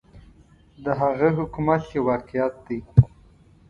د هغه حکومت یو واقعیت دی.